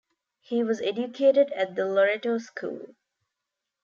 He was educated at the Loretto School.